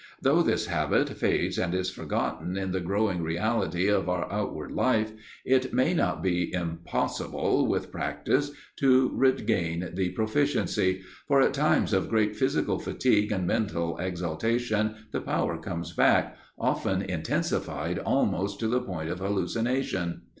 Though this habit fades and is forgotten in the growing reality of our outward life, it may not be impossible with practice to regain the proficiency, for at times of great physical fatigue and mental exaltation the power comes back, often intensified almost to the point of hallucination.